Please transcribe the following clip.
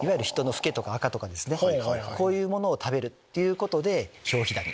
こういうものを食べるっていうことで。